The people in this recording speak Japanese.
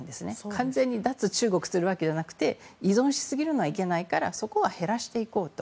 完全に脱中国するわけじゃなくて依存しすぎるのはいけないからそこは減らしていこうと。